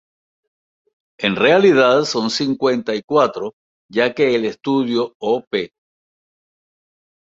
En realidad son cincuenta y cuatro, ya que el "Estudio Op.